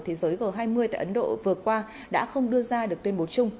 thế giới g hai mươi tại ấn độ vừa qua đã không đưa ra được tuyên bố chung